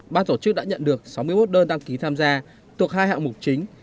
ban tổ chức đã nhận được sáu mươi một đơn đăng ký tham gia thuộc hai hạng mục chính